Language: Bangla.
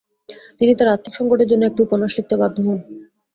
তিনি তার আর্থিক সংকটের জন্য একটি উপন্যাস লিখতে বাধ্য হন।